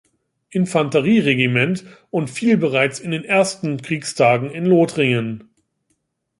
Infanterie-Regiment und fiel bereits in den ersten Kriegstagen in Lothringen.